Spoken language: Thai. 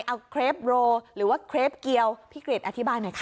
เอาเครปโรหรือว่าเครปเกียวพี่เกรดอธิบายหน่อยค่ะ